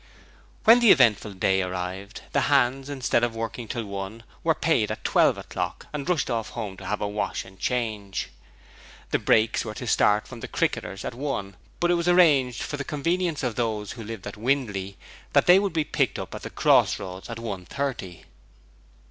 When the eventful day arrived, the hands, instead of working till one, were paid at twelve o'clock and rushed off home to have a wash and change. The brakes were to start from the 'Cricketers' at one, but it was arranged, for the convenience of those who lived at Windley, that they were to be picked up at the Cross Roads at one thirty.